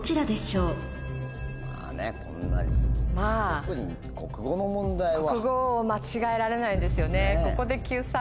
特に国語の問題は。